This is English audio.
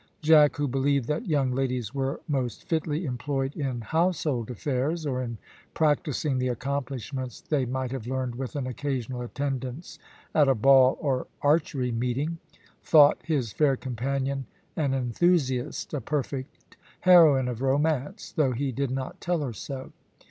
Jack, who believed that young ladies were most fitly employed in household affairs, or in practising the accomplishments they might have learned with an occasional attendance at a ball or archery meeting, thought his fair companion an enthusiast, a perfect heroine of romance, though he did not tell her so.